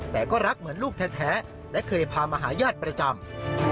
แต่ก็รักเหมือนลูกแท้และเคยพามาหาญาติประจำ